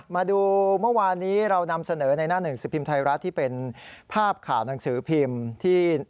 มาดูเมื่อวานนี้เรานำเสนอในหน้าหนึ่งสิบพิมพ์ไทยรัฐที่เป็นภาพข่าวหนังสือพิมพ์ที่